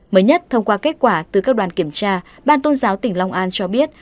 mới nhất thông qua kết quả từ các đoàn kiểm tra ban tôn giáo tỉnh long an cho biết